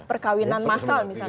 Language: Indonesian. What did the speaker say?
perkawinan masal misalkan